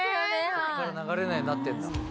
横から流れないようになってんだ。